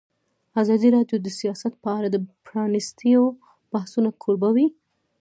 ازادي راډیو د سیاست په اړه د پرانیستو بحثونو کوربه وه.